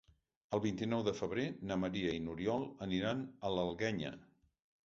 El vint-i-nou de febrer na Maria i n'Oriol aniran a l'Alguenya.